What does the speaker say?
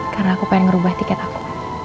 karena aku pengen merubah tiket aku